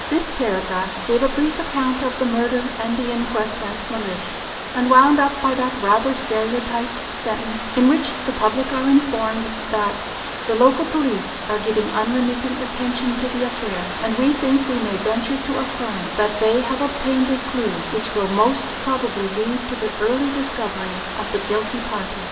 This paragraph gave a brief account of the murder and the inquest at Mellish, and wound up by that rather stereotyped sentence, in which the public are informed that "the local police are giving unremitting attention to the affair, and we think we may venture to affirm that they have obtained a clew which will most probably lead to the early discovery of the guilty party."